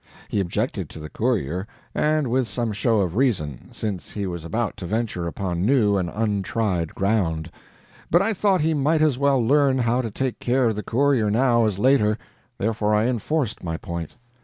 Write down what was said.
He objected to the courier, and with some show of reason, since he was about to venture upon new and untried ground; but I thought he might as well learn how to take care of the courier now as later, therefore I enforced my point.